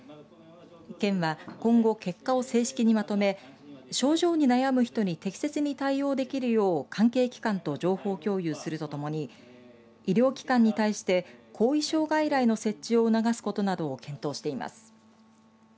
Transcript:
県は、今後、結果を正式にまとめ症状に悩む人に適切に対応できるよう関係機関と情報共有するとともに医療機関に対して後遺症外来の設置を促すことなどを検討しています。